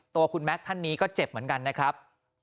ตัวคุณแม็กซ์ท่านนี้ก็เจ็บเหมือนกันนะครับ